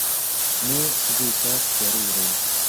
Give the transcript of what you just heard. Mi ŝvitas terure.